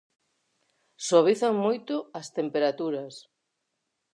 Suavizan moito as temperaturas.